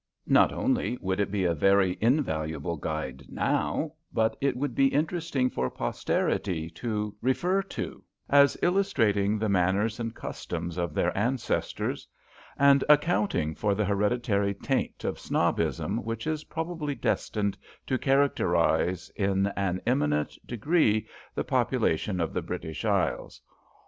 Not only would it be a very invaluable guide now, but it would be interesting for posterity to refer to as illustrating the manners and customs of their ancestors, and accounting for the hereditary taint of snobbism which is probably destined to characterise in an eminent degree the population of the British Isles.